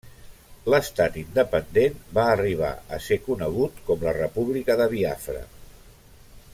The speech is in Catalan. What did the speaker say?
L'estat independent va arribar a ser conegut com la República de Biafra.